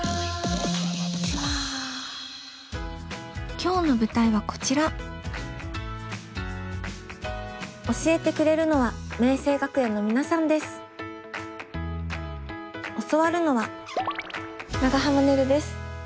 今日の舞台はこちら教えてくれるのは教わるのは長濱ねるです。